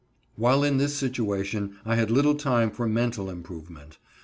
While in this situation I had little time for mental improvement.